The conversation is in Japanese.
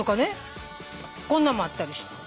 こんなんもあったりして。